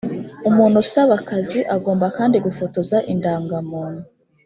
umuntu usaba akazi agomba kandi gufotoza indangamuntu.